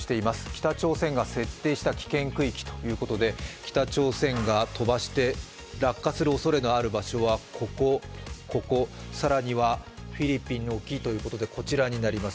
北朝鮮が設定した危険区域ということで、北朝鮮が飛ばして落下するおそれのある場所はここ、ここ、更には、フィリピン沖ということでこちらになります。